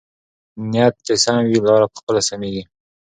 نیت چې سم وي، لاره پخپله سمېږي.